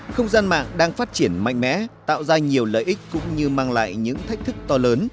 không gian mạng đang phát triển mạnh mẽ tạo ra nhiều lợi ích cũng như mang lại những thách thức to lớn